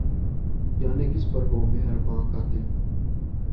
جانے کس پر ہو مہرباں قاتل